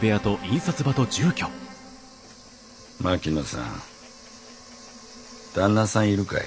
槙野さん旦那さんいるかい？